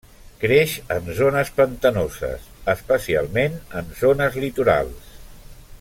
Creix en zones pantanoses especialment en zones litorals.